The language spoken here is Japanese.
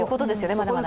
まだまだ。